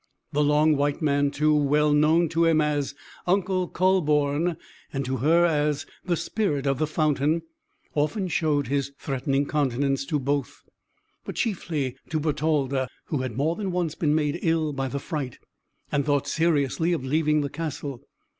The long white man, too well known to him as Uncle Kühleborn, and to her as the spirit of the fountain, often showed his threatening countenance to both; but chiefly to Bertalda, who had more than once been made ill by the fright, and thought seriously of leaving the castle.